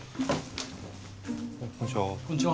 こんにちは。